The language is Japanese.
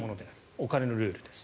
お金のルールです。